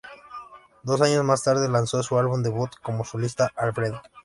Dos años más tarde, lanzó su álbum debut como solista, "Alfredo".